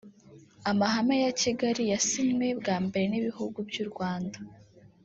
Amahame ya Kigali yasinywe bwa mbere n’ibihugu by’u Rwanda